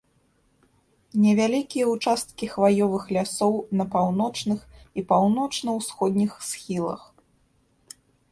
Невялікія ўчасткі хваёвых лясоў на паўночных і паўночна-ўсходніх схілах.